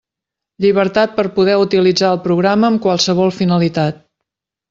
Llibertat per poder utilitzar el programa amb qualsevol finalitat.